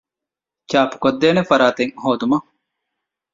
ޗާޕުކޮށްދޭނެ ފަރާތެއް ހޯދުމަށް